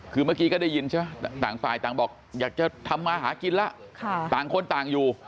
คือเมื่อกี้ก็ได้ยินใช่ไหมต่างฝ่ายต่างบอกอยากจะทำมาหากินแล้วต่างคนต่างอยู่